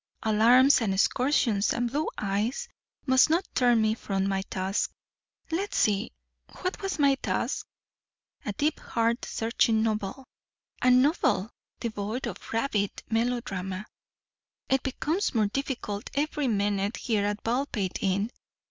"Alarms and excursions and blue eyes must not turn me from my task. Let's see what was my task? A deep heart searching novel, a novel devoid of rabid melodrama. It becomes more difficult every minute here at Baldpate Inn.